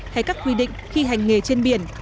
hay các quy định khi hành nghề trên biển